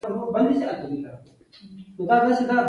بله مجسمه په چیسوک کې جوزیا براون اخیستې ده.